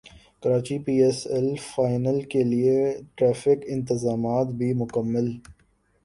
Karachi P S L final کیلئے traffic انتظامات بھی مکمل